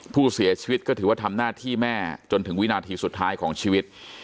ผู้เสียชีวิตก็ถือว่าทำหน้าที่แม่จนถึงวินาทีสุดท้ายของชีวิต